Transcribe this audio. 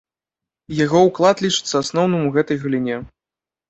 Яго ўклад лічыцца асноўным у гэтай галіне.